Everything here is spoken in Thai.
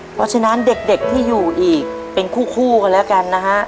เพราะฉะนั้นเด็กที่อยู่อีกเป็นคู่กันแล้วกันนะฮะ